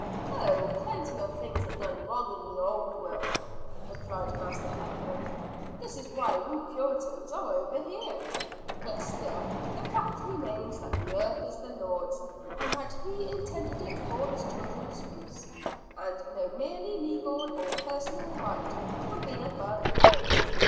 "Oh, plenty of things are done wrong in the old world," replied Master Putnam; "that is why we Puritans are over here. But still the fact remains that the earth is the Lord's and that He intended it for His children's use; and no merely legal or personal right can be above that.